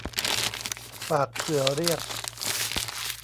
ฝากเผื่อเรียก